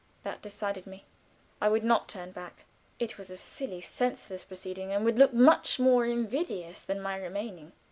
That decided me. I would not turn back. It would be a silly, senseless proceeding, and would look much more invidious than my remaining.